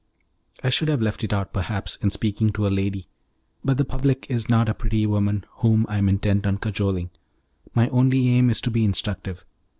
I should have left it out, perhaps, in speaking to a lady, but the public is not a pretty woman whom I am intent on cajoling, my only aim is to be instructive.